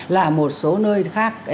là một số nơi khác